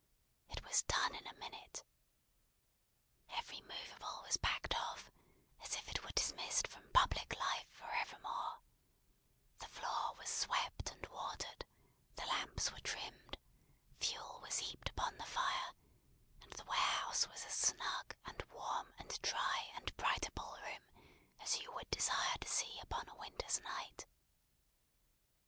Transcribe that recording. It was done in a minute. Every movable was packed off, as if it were dismissed from public life for evermore; the floor was swept and watered, the lamps were trimmed, fuel was heaped upon the fire; and the warehouse was as snug, and warm, and dry, and bright a ball room, as you would desire to see upon a winter's night.